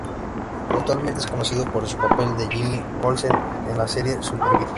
Actualmente es conocido por su papel de Jimmy Olsen en la serie Supergirl.